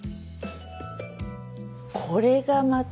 これがまた。